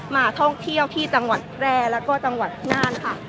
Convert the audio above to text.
มาท่องเที่ยวที่ตำวัดแร่แล้วก็ตำวัดงานค่ะ